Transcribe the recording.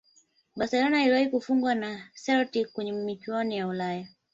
barcelona iliwahi kufungwa na celtic kwenye michuano ya ulaya